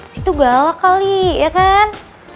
situ galak kali ya kan